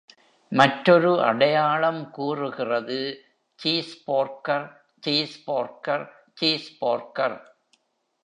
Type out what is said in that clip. மற்றொரு அடையாளம் கூறுகிறது: சீஸ்போர்கர், சீஸ்போர்கர், சீஸ்போர்கர்.